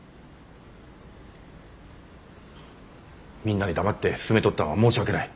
みんなに黙って進めとったんは申し訳ない。